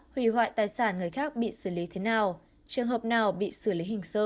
hủy hoại tài sản người khác bị xử lý thế nào trường hợp nào bị xử lý hình sự